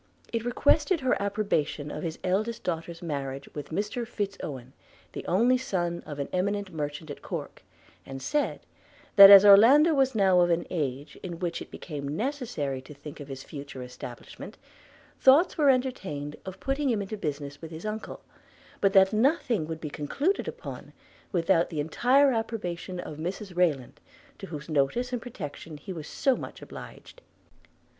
It requested her approbation of his eldest daughter's marriage with Mr Fitz Owen, the only son of an eminent merchant at Corke; and said, that as Orlando was now of an age in which it became necessary to think of his future establishment, thoughts were entertained of putting him into business with his uncle; but that nothing would be concluded upon without the entire approbation of Mrs Rayland, to whose notice and protection he was so much obliged.